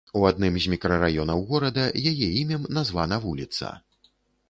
У адным з мікрараёнаў горада яе імем названа вуліца.